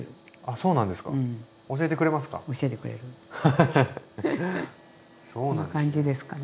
そうなんですね。